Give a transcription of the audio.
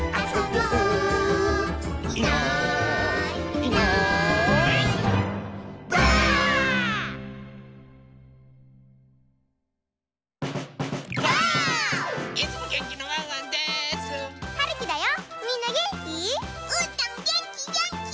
うーたんげんきげんき！